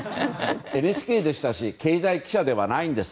ＮＨＫでしたし経済記者でないです。